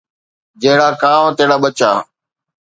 جهڙا ڪانوَ تهڙا ٻچا